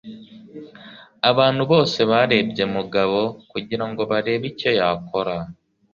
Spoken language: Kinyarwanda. Abantu bose barebye Mugabo kugirango barebe icyo yakora.